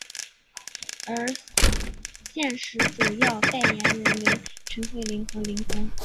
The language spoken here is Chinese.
而现时主要代言人为陈慧琳和林峰。